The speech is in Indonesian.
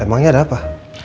emangnya ada apa